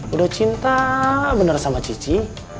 udah cinta bener sama cici